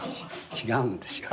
違うんですよ。